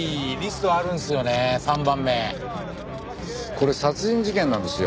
これ殺人事件なんですよ。